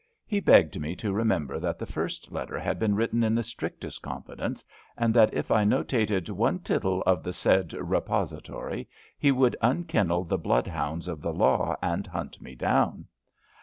He begged me to remember that the first letter had been written in the strictest confidence, and that if I notated one tittle of the said *^ repository ^* he would unkennel the bloodhounds of the law and hunt me down.